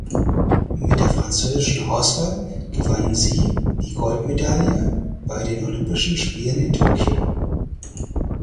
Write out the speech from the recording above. Mit der französischen Auswahl gewann sie die Goldmedaille bei den Olympischen Spielen in Tokio.